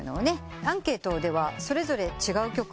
アンケートではそれぞれ違う曲。